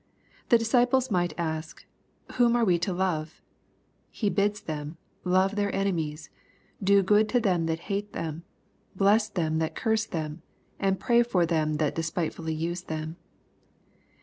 The disciples might ask, Whom are we to love ? He bids them " love their enemies, do good to them that hate them, bless them that curse them, and pray for them that despitefully use them."